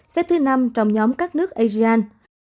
xếp thứ năm trong nhóm các nước asian